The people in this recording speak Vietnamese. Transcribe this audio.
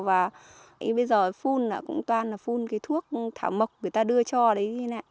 và bây giờ phun là cũng toàn là phun cái thuốc thảo mộc người ta đưa cho đấy